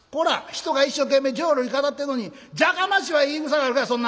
人が一生懸命浄瑠璃語ってんのに『じゃかましいわ』言いぐさがあるかそんな！」。